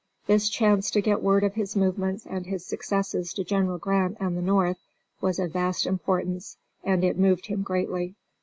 This chance to get word of his movements and his successes to General Grant and the North was of vast importance, and it moved him greatly.